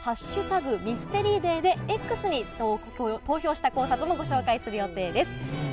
ミステリーデイでＸに投票した考察もご紹介する予定です。